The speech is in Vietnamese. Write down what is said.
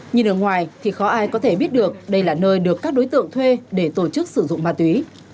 nhìn ở ngoài thì khó ai có thể biết được đây là nơi được các đối tượng thuê để tổ chức sử dụng ma túy